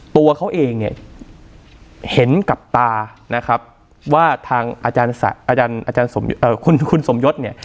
ตัวเขาเองเนี่ยเห็นกับตานะครับว่าทางอาจารย์คุณสมยศเนี่ย